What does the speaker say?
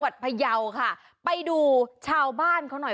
จังหวัดพระเยาค่ะไปดูชาวบ้านเค้าน๋อย